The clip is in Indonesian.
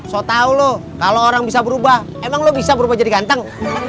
so tau lo kalau orang bisa berubah emang lo bisa berubah jadi ganteng